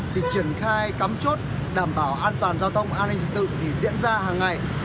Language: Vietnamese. thì triển khai cắm chốt đảm bảo an toàn giao thông an ninh trật tự thì diễn ra hàng ngày